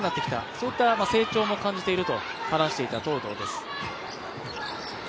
そういった成長も感じると話していた東藤です。